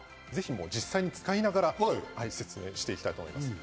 実際に使いながら説明していきたいと思います。